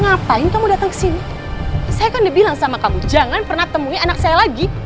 ngapain kamu datang ke sini saya akan dibilang sama kamu jangan pernah temui anak saya lagi